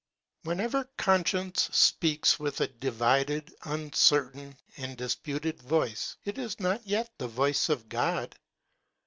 Whenever conscience speaks with a di vided, uncertain, and disputed voice, it is not yet the voice of God.